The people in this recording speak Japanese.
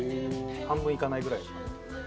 半分いかないぐらいですかね。